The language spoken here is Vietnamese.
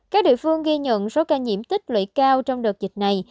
các địa phương ghi nhận số ca nhiễm tích lũy cao trong đợt dịch này